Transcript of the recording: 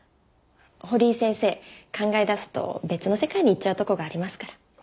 堀井先生考え出すと別の世界に行っちゃうとこがありますから。